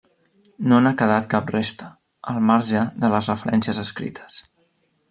No n'ha quedat cap resta, al marge de les referències escrites.